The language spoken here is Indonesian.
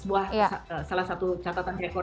sebuah salah satu catatan rekor yang cukup sukses